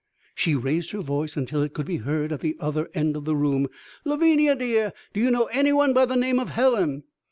She raised her voice until it could be heard at the other end of the room. "Lavinia, dear, do you know anyone by the name of Helen?"